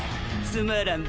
つまらん